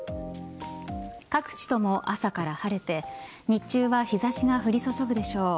各地とも朝から晴れて日中は日差しが降り注ぐでしょう。